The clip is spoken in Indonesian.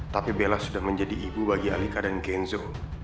tapi bella sudah menjadi ibu bagi alika dan kenzo